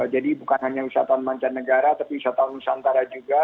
jadi bukan hanya wisatawan mancanegara tapi wisatawan nusantara juga